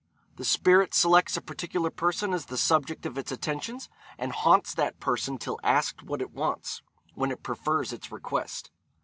The spirit selects a particular person as the subject of its attentions, and haunts that person till asked what it wants, when it prefers its request.